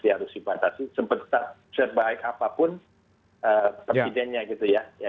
di harus dibatasi sempat tetap sebaik apapun pemimpinnya gitu ya